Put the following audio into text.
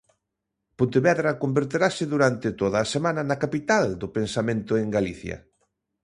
Pontevedra converterase durante toda a semana na capital do pensamento en Galicia.